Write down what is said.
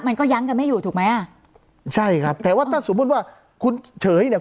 มันก็ยั้งกันไม่อยู่ถูกไหมอ่ะใช่ครับแต่ว่าถ้าสมมุติว่าคุณเฉยเนี่ย